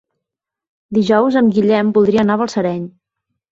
Dijous en Guillem voldria anar a Balsareny.